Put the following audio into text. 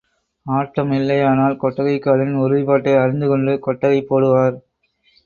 ஆட்டம் இல்லையானால் கொட்டகைக் காலின் உறுதிப்பாட்டை அறிந்து கொண்டு கொட்டகை போடுவார்.